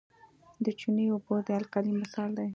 د چونې اوبه د القلي مثال دی.